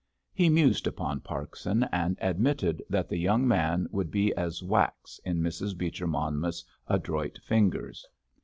He mused upon Parkson, and admitted that the young man would be as wax in Mrs. Beecher Monmouth's adroit fingers.